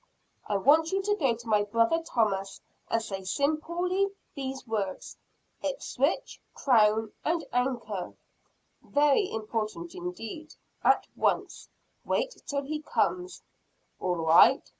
"I want you to go to my brother Thomas, and say simply these words: Ipswich Crown and Anchor. Very important indeed. At once. Wait till he comes." "All right."